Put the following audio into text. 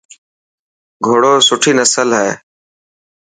گهوڙو سٺي نسل هي.